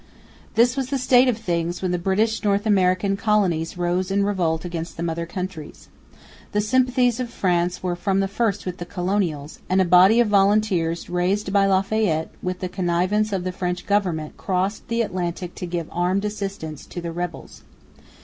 This was the state of things when the British North American colonies rose in revolt against the mother country. The sympathies of France were from the first with the colonials; and a body of volunteers raised by Lafayette with the connivance of the French overnment crossed the Atlantic to give armed assistance to the rebels.